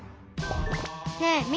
ねえ見て！